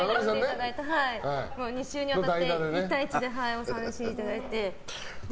２週に渡って１対１でお話しいただいて。